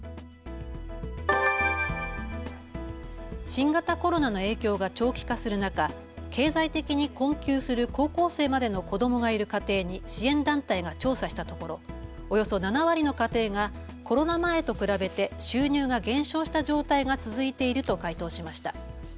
新型コロナの影響が長期化する中、経済的に困窮する高校生までの子どもがいる家庭に支援団体が調査したところ、およそ７割の家庭がコロナ前と比べて収入が減少した状態が続いていると回答しました。